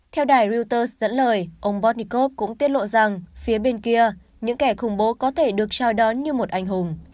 theo đài reuters dẫn lời ông bornnikov cũng tiết lộ rằng phía bên kia những kẻ khủng bố có thể được chào đón như một anh hùng